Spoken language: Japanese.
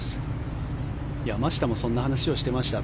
山下もそんな話をしていました。